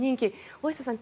大下さん